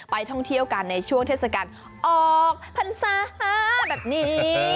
ท่องเที่ยวกันในช่วงเทศกาลออกพรรษาแบบนี้